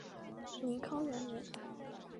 宁康元年。